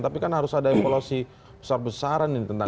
tapi kan harus ada evaluasi besar besaran ini tentang